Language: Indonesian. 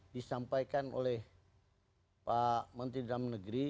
disampaikan oleh pak menteri dalam negeri